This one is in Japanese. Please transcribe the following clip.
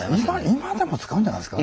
今でも使うんじゃないですか。